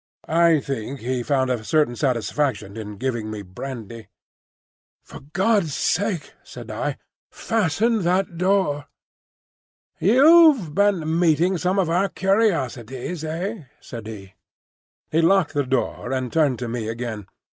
I think he found a certain satisfaction in giving me brandy. "For God's sake," said I, "fasten that door." "You've been meeting some of our curiosities, eh?" said he. He locked the door and turned to me again.